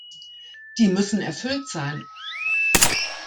Die müssen erfüllt sein.